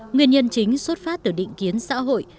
nguyên nhân chính xuất phát từ định kiến xã hội